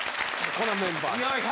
このメンバーで。